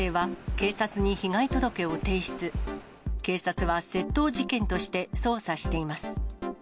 警察は窃盗事件として捜査しています。